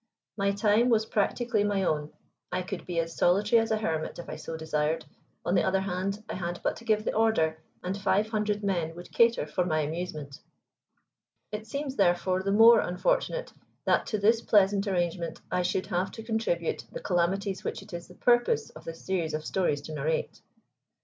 My time was practically my own. I could be as solitary as a hermit if I so desired; on the other hand, I had but to give the order, and five hundred men would cater for my amusement. It seems therefore the more unfortunate that to this pleasant arrangement I should have to attribute the calamities which it is the purpose of this series of stories to narrate.